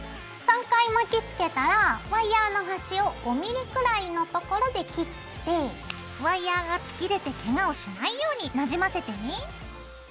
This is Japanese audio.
３回巻きつけたらワイヤーの端を５ｍｍくらいのところで切ってワイヤーが突き出てけがをしないようになじませてね。